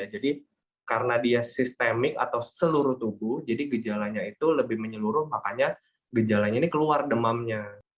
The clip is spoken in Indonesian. jadi karena dia sistemik atau seluruh tubuh jadi gejalanya itu lebih menyeluruh makanya gejalanya ini keluar demamnya